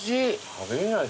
食べれない。